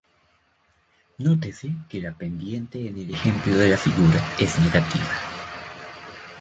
Nótese que la pendiente en el ejemplo de la figura es negativa.